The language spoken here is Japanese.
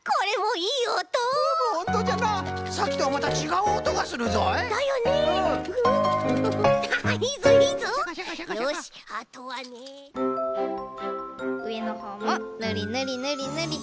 うえのほうもぬりぬりぬりぬり。